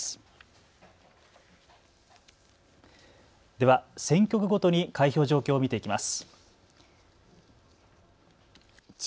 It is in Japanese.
では選挙区ごとに開票状況を見ていきます。